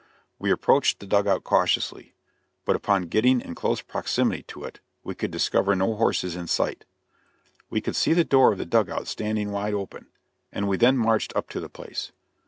We approached the dug out cautiously, but upon getting in close proximity to it we could discover no horses in sight. We could see the door of the dug out standing wide open, and we then marched up to the place.